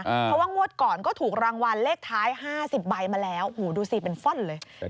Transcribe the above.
เพราะว่างวดก่อนก็ถูกรางวัลเลขท้าย๕๐ใบมาแล้วดูสิเป็นฟ่อนเลย